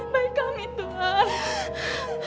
baik kami tuhan